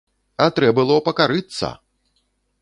А трэ было пакарыцца!